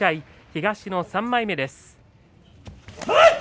東の３枚目です。